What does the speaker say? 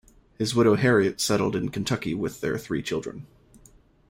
His widow Harriet settled in Kentucky with their three children.